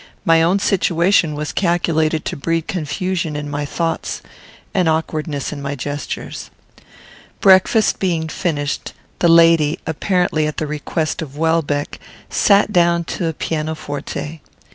My own situation was calculated to breed confusion in my thoughts and awkwardness in my gestures. Breakfast being finished, the lady, apparently at the request of Welbeck, sat down to a piano forte.